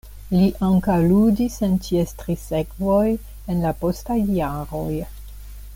Li ankaŭ ludis en ties tri sekvoj en la postaj jaroj.